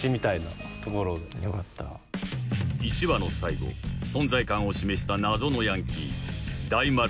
［１話の最後存在感を示した謎のヤンキー大丸